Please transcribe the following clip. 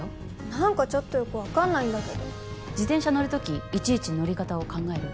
何かちょっとよく分かんないんだけど自転車乗る時いちいち乗り方を考える？